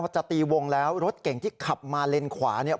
จะตีวงแล้วรถเก่งที่ขับมาเลนขวาเนี่ย